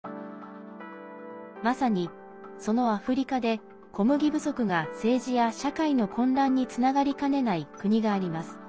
まさに、そのアフリカで小麦不足が政治や社会の混乱につながりかねない国があります。